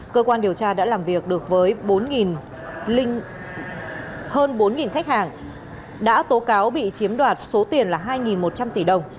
cơ quan điều tra đã làm việc được với bốn hơn bốn khách hàng đã tố cáo bị chiếm đoạt số tiền là hai một trăm linh tỷ đồng